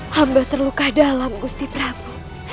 hamba terluka dalam gusti prabu